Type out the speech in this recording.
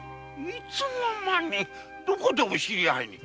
いつの間にどこでお知り合いに？